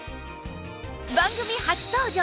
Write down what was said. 番組初登場！